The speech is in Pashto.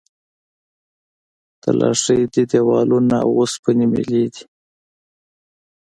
تلاشۍ دي، دیوالونه او اوسپنې میلې دي.